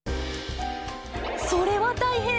それは大変！